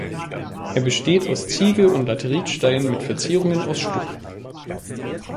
Er besteht aus Ziegel- und Laterit-Steinen mit Verzierungen aus Stuck.